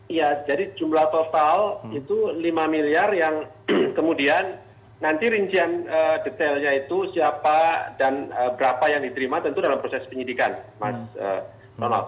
iya jadi jumlah total itu lima miliar yang kemudian nanti rincian detailnya itu siapa dan berapa yang diterima tentu dalam proses penyidikan mas ronald